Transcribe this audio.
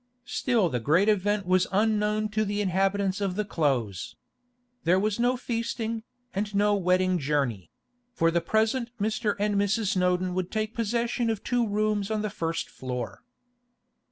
Still the great event was unknown to the inhabitants of the Close. There was no feasting, and no wedding journey; for the present Mr. and Mrs. Snowdon would take possession of two rooms on the first floor.